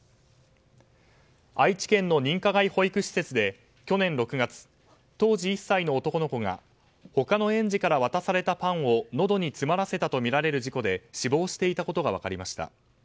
愛知県の認可外保育施設で去年６月当時１歳の男の子が他の園児から渡されたパンをのどに詰まらせたとみられる事故で死亡していたことが分かりました。